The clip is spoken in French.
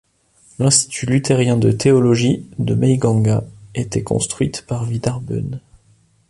L'Institut Luthérien de Théologie de Meiganga était construite par Vidar Bøhn.